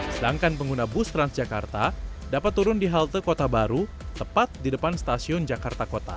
sedangkan pengguna bus transjakarta dapat turun di halte kota baru tepat di depan stasiun jakarta kota